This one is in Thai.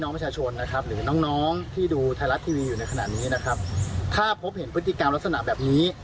มันต้องการรักษณะแบบนี้